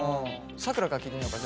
さくらから聞いてみようか。